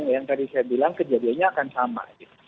yang tadi saya bilang kejadiannya akan sama